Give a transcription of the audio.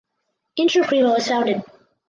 Inter Primo is founded.